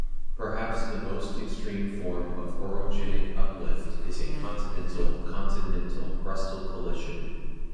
Perhaps the most extreme form of orogenic uplift is a continental-continental crustal collision.